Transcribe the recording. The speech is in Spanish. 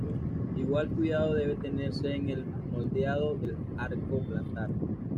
Igual cuidado debe tenerse en el moldeado del arco plantar.